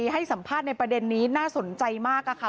ให้สัมภาษณ์ในประเด็นนี้น่าสนใจมากค่ะ